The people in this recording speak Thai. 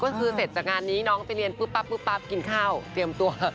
ก็คือเสร็จจากงานนี้น้องไปเรียนปุ๊บปั๊บปุ๊บปั๊บกินข้าวเตรียมตัว